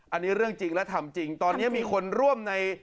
อันนี้เรื่องจริงและทำจริงตอนนี้มีคนร่วมใน